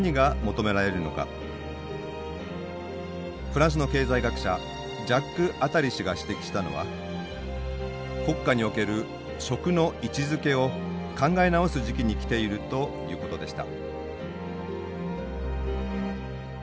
フランスの経済学者ジャック・アタリ氏が指摘したのは国家における「食」の位置づけを考え直す時期に来ているということでした。